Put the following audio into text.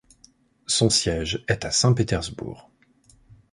Son siège est à Saint-Pétersbourg.